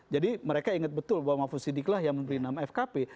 jadi mereka inget betul bahwa mahfuz siddiq lah yang memberi nama fkp